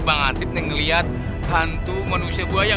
bang azrib neng liat hantu manusia buahnya